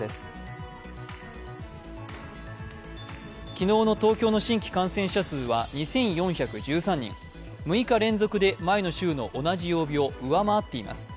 昨日の東京の新規感染者数は２４１３人６日連続で前の週の同じ曜日を上回っています。